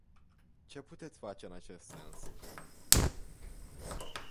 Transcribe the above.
Ce puteți face în acest sens?